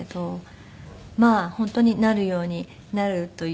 まあ本当になるようになるというか。